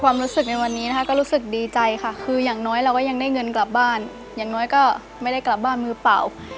ความรู้สึกในวันนี้นะคะก็รู้สึกดีใจค่ะคืออย่างน้อยเราก็ยังได้เงินกลับบ้านอย่างน้อยก็ไม่ได้กลับบ้านมือเปล่า